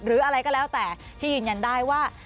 หรืออะไรก็แล้วแต่ที่ยืนยันได้ว่า